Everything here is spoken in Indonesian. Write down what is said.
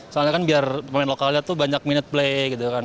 soalnya kan biar pemain lokalnya tuh banyak minute play gitu kan